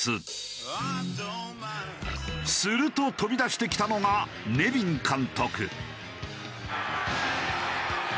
すると飛び出してきたのがネビン監督。